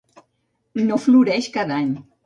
No floreixen cada any.